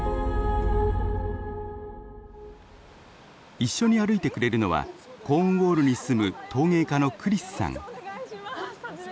一緒に歩いてくれるのはコーンウォールに住む陶芸家のクリスさん。